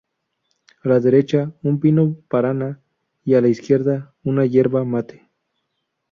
A la derecha, un pino paraná y a la izquierda, una yerba mate.